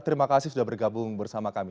terima kasih sudah bergabung bersama kami